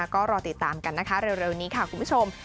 ก็รอติดตามกันนะคะเร็วนี้ค่ะคุณผู้ชม